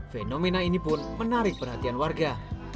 fenomena ini pun menarik perhatian warga